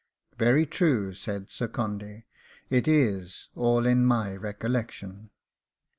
'Very true,' said Sir Condy; 'it is all in my recollection.